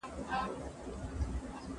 هغه په لوړ غږ خپل ملګري ته ځواب ورکړ.